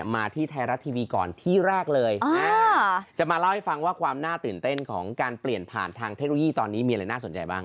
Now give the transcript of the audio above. มาที่ไทยรัฐทีวีก่อนที่แรกเลยจะมาเล่าให้ฟังว่าความน่าตื่นเต้นของการเปลี่ยนผ่านทางเทคโนโลยีตอนนี้มีอะไรน่าสนใจบ้าง